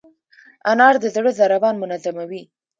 انار د زړه ضربان منظموي.